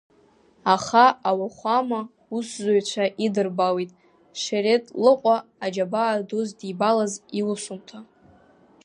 Аха ауахәама усзуҩцәа идырблит Шеретлыҟәа аџьабаа ду здибалаз иусумҭа.